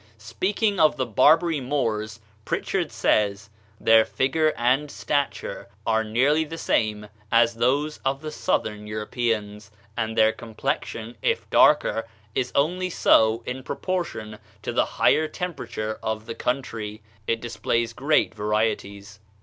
Speaking of the Barbary Moors, Prichard says: "Their figure and stature are nearly the same as those of the southern Europeans, and their complexion, if darker, is only so in proportion to the higher temperature of the country. It displays great varieties."